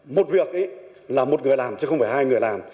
một việc là một người làm chứ không phải hai người làm